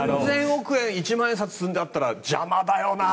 ３０００億円一万円札が積んであったら邪魔だよな。